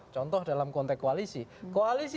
contoh dalam konteks koalisi koalisi